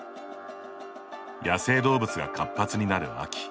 野生動物が活発になる秋。